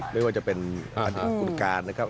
ไม่ว่าจะเป็นอดีตคุณการนะครับ